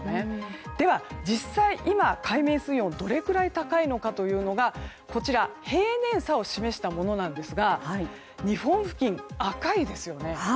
では実際、今の海面水温はどれぐらい高いのかというのがこちら、平年差を示したものなんですが日本付近、赤いですよね。